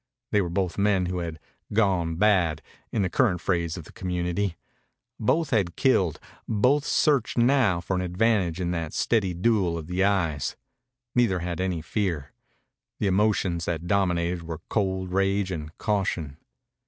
They were both men who had "gone bad," in the current phrase of the community. Both had killed. Both searched now for an advantage in that steady duel of the eyes. Neither had any fear. The emotions that dominated were cold rage and caution.